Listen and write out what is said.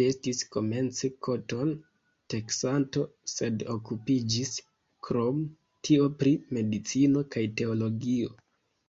Li estis komence koton-teksanto, sed okupiĝis krom tio pri medicino kaj teologio.